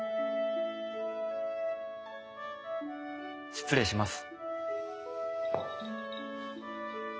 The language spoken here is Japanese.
失礼します。